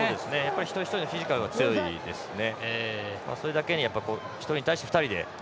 一人一人のフィジカルが強いですね。